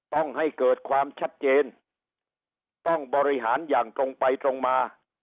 ต้องให้เกิดความชัดเจนต้องบริหารอย่างตรงไปตรงมา